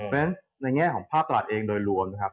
เพราะฉะนั้นในแง่ของภาพตลาดเองโดยรวมนะครับ